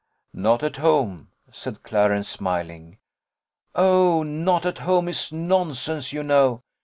"Not at home," said Clarence, smiling. "Oh, not at home is nonsense, you know.